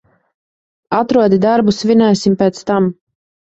Atrodi darbu, svinēsim pēc tam.